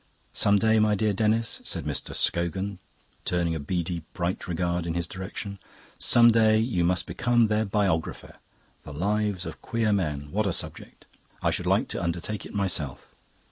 Some day, my dear Denis," said Mr Scogan, turning a beady bright regard in his direction "some day you must become their biographer 'The Lives of Queer Men.' What a subject! I should like to undertake it myself."